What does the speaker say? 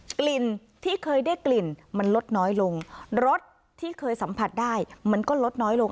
กลิ่นที่เคยได้กลิ่นมันลดน้อยลงรสที่เคยสัมผัสได้มันก็ลดน้อยลง